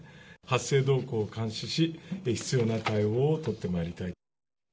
発生動向を監視し、必要な対応を取ってまいりたい。